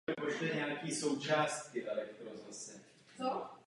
Reprezentoval Řecko.